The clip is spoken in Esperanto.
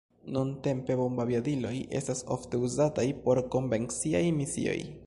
Nuntempe bombaviadiloj estas ofte uzataj por konvenciaj misioj.